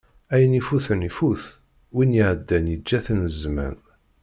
Ayen ifuten ifut, wid iɛeddan yeǧǧa-ten zzman.